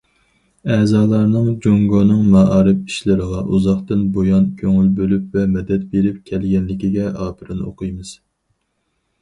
ئەزالارنىڭ جۇڭگونىڭ مائارىپ ئىشلىرىغا ئۇزاقتىن بۇيان كۆڭۈل بۆلۈپ ۋە مەدەت بېرىپ كەلگەنلىكىگە ئاپىرىن ئوقۇيمىز.